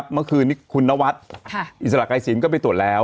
เมื่อคืนนี้คุณนวัดอิสระไกรศิลปก็ไปตรวจแล้ว